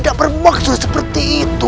tidak bermaksud seperti itu